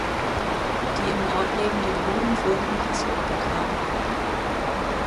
Die im Ort lebenden Juden wurden in Haßloch begraben.